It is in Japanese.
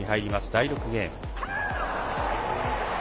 第６ゲーム。